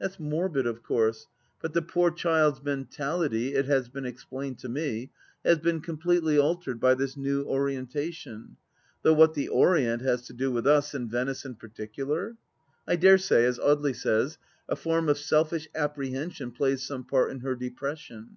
That's morbid, of course, but the poor child's mentality, it has been explained to me, has 'been completely altered by this new orientation — ^though what the Orient has to do with us, and Venice in particular ? I dare say, as Audely says, a form of selfish apprehension plays some part in her depression.